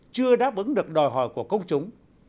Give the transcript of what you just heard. chưa đáp ứng được đòi hỏi của công chúng